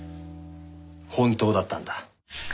本当だったんだ。